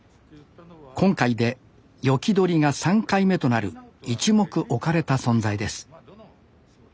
今回で斧取りが３回目となる一目置かれた存在です